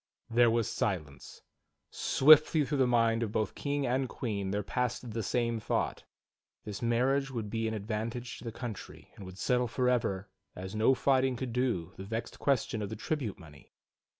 There was silence. Swiftly through the mind of both King and Queen there passed the same thought: "This marriage would be an advantage to the country, and would settle forever, as no fighting could do, the vexed question of the tribute money."